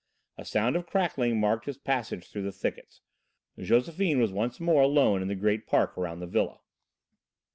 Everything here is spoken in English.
A sound of crackling marked his passage through the thickets. Josephine was once more alone in the great park around the villa.